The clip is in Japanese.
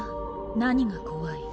何が怖い？